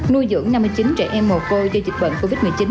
nuôi dưỡng năm mươi chín trẻ em mồ côi do dịch bệnh covid một mươi chín